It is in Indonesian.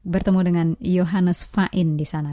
bertemu dengan johannes fain di sana